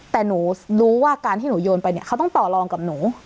แต่หนูรู้ว่าการที่หนูโยนไปเนี่ยเขาต้องต่อรองกับหนู